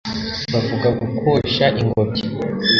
bavuga gukosha ingobyi